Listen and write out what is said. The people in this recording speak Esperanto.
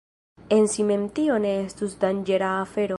En si mem tio ne estus danĝera afero.